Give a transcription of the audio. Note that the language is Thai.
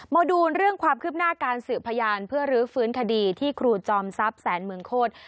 มาดูเรื่องความคืบหน้าการสืบพยานเพื่อรื้อฟื้นคดีที่ครูจอมทรัพย์แสนเมืองโคตร